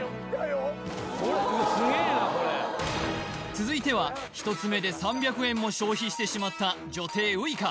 続いては１つ目で３００円も消費してしまった女帝ウイカ